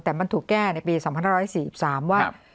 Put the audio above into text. แต่มันถูกแก้ในปี๒๕๔๓ว่า